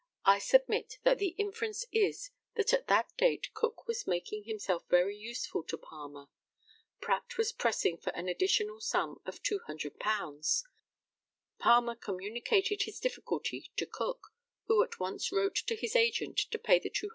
I submit that the inference is, that at that date Cook was making himself very useful to Palmer. Pratt was pressing for an additional sum of £200. Palmer communicated his difficulty to Cook, who at once wrote to his agent to pay the £200.